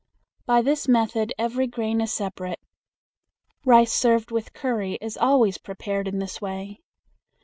By this method every grain is separate. Rice served with curry is always prepared in this way.